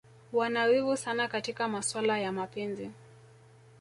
Wana wivu sana katika masuala ya mapenzi